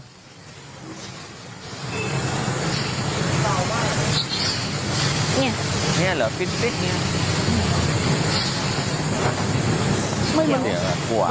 มันเหมือนเสียงผู้ชายผู้หญิงตรงไหน